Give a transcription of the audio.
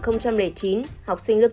học sinh lớp chín